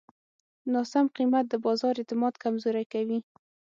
ناسم قیمت د بازار اعتماد کمزوری کوي.